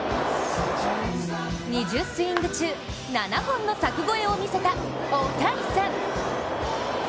２０スイング中７本の柵越えを見せたオオタニさん。